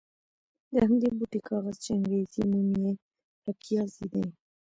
د همدې بوټي کاغذ چې انګرېزي نوم یې پپیازي دی.